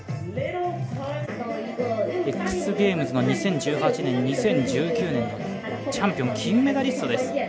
Ｘゲームズの２０１８年、２０１９年チャンピオン、金メダリストです。